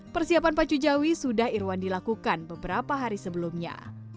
persiapan pacu jawi sudah irwandi lakukan beberapa hari sebelumnya